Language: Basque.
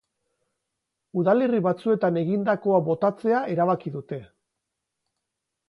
Udalerri batzuetan egindakoa botatzea erabaki dute.